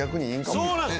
そうなんです！